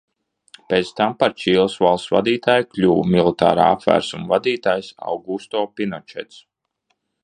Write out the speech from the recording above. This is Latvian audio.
Pēc tam par Čīles valsts vadītāju kļuva militārā apvērsuma vadītājs Augusto Pinočets.